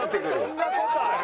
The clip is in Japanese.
そんな事ある？